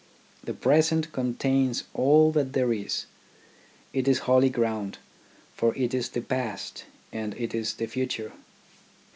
The present contains all that there is. It is holy ground ; for it is the past, and it is the future.